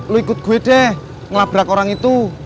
lo ikut gue deh ngelabrak orang itu